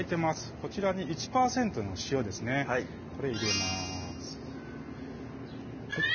こちらに１％の塩ですねこれ入れます